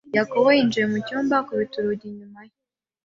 Yakobo yinjiye mu cyumba akubita urugi inyuma ye.